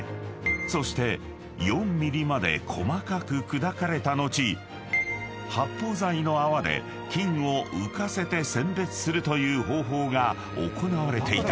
［そして４ｍｍまで細かく砕かれた後発泡剤の泡で金を浮かせて選別するという方法が行われていた］